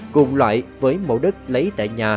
cùng loại với mẫu đất lấy tại nhà